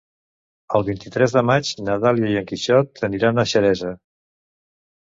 El vint-i-tres de maig na Dàlia i en Quixot aniran a Xeresa.